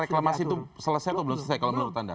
reklamasi itu selesai atau belum selesai kalau menurut anda